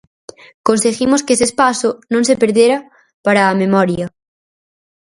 Conseguimos que ese espazo non se perdera para a memoria.